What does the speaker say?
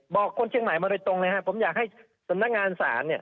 บอกคนเชียงใหม่มาเลยตรงเลยฮะผมอยากให้สำนักงานสารเนี่ย